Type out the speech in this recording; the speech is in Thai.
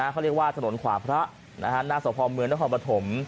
เขาเรียกว่าถนนขวาพระหน้าสพเมืองนครปฐม